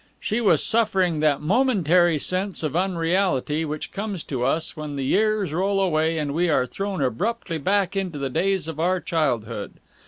She was suffering that momentary sense of unreality which comes to us when the years roll away and we are thrown abruptly back into the days of our childhood.